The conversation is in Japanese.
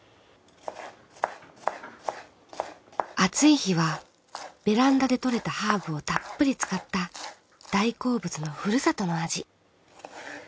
暑い日はベランダで採れたハーブをたっぷり使った大好物のふるさとの味。